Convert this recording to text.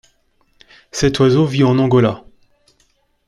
Cet oiseau vit en Angola.